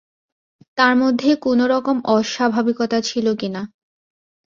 তাঁর মধ্যে কোনো রকম অস্বাভাবিকতা ছিল কি না।